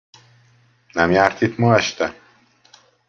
Nem járt itt ma este?